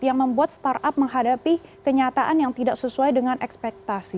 yang membuat startup menghadapi kenyataan yang tidak sesuai dengan ekspektasi